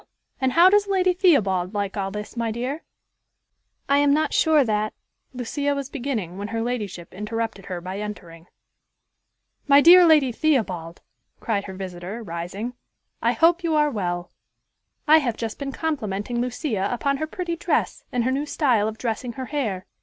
And how does Lady Theobald like all this, my dear?" "I am not sure that" Lucia was beginning, when her ladyship interrupted her by entering. "My dear Lady Theobald," cried her visitor, rising, "I hope you are well. I have just been complimenting Lucia upon her pretty dress, and her new style of dressing her hair.